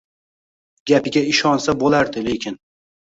Gapiga ishonsa bo‘lardi, lekin